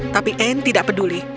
tapi anne tidak peduli